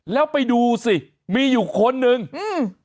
แล้วไปดูสิมีอยู่คนหนึ่งอืม